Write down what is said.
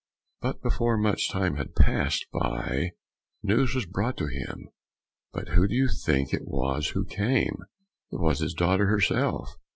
But before much time had passed by, news was brought to him: but who do you think it was who came? it was his daughter herself!